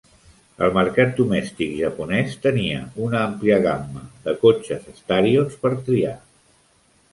El mercat domèstic japonès tenia una àmplia gamma de cotxes Starions per triar.